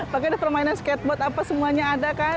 pak anies permainan skateboard apa semuanya ada kan